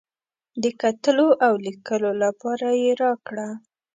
د کتلو او لیکلو لپاره یې راکړه.